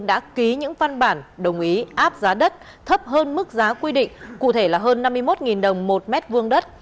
đã ký những văn bản đồng ý áp giá đất thấp hơn mức giá quy định cụ thể là hơn năm mươi một đồng một mét vuông đất